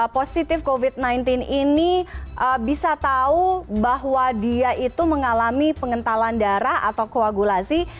positif covid sembilan belas ini bisa tahu bahwa dia itu mengalami pengentalan darah atau koagulasi